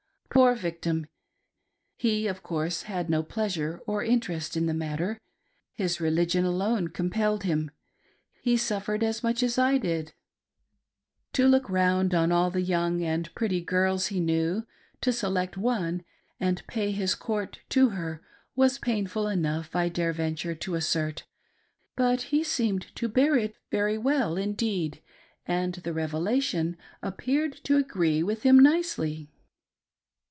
Poor victim ! He, of course, had no pleasure or interest in the matter ; his religion alone compelled him ; he suffered as much as I did ! To look round on all the young and pretty girls he knew ; to select one and pay his court to her, was painful enough I dare venture to assert ; but he seemed to bear it very well indeed, and the " Revelation " appeared to agree with him nicely.